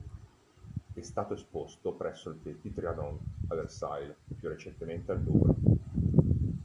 È stato esposto presso il Petit Trianon, a Versailles e, più recentemente, al Louvre.